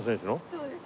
そうです。